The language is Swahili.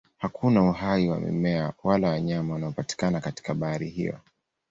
Hakuna uhai wa mimea wala wanyama unaopatikana katika bahari hiyo.